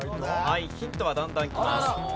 はいヒントはだんだんきます。